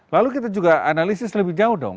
lalu kita juga analisis lebih jauh dong